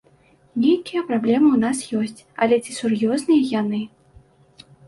Нейкія праблемы ў нас ёсць, але ці сур'ёзныя яны!